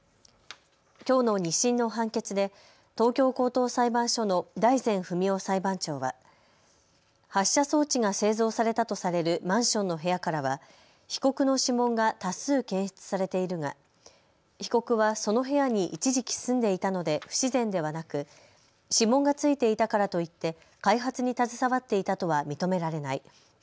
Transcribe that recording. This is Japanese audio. きょうの２審の判決で東京高等裁判所の大善文男裁判長は発射装置が製造されたとされるマンションの部屋からは被告の指紋が多数、検出されているが被告はその部屋に一時期住んでいたので不自然ではなく指紋が付いていたからといって開発に携わっていたとは認められない。